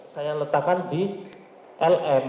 saya letakkan di lm